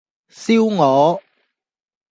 燒鵝